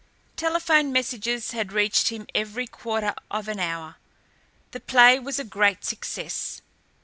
Telephone messages had reached him every quarter of an hour. The play was a great success.